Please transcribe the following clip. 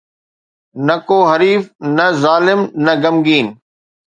نه ڪو حريف، نه ظالم، نه غمگين